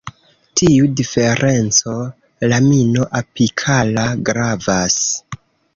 Tiu diferenco lamino-apikala gravas.